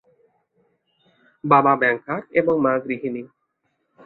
বাবা ব্যাংকার এবং মা গৃহিণী।